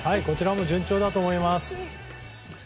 こちらも順調だと思います。